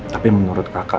tapi menurut kakak